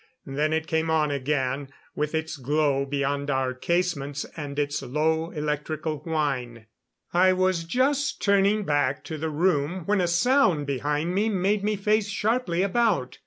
Then it came on again, with its glow beyond our casements, and its low electrical whine. I was just turning back to the room when a sound behind me made me face sharply about.